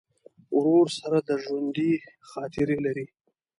ورور سره د ژوندي خاطرې لرې.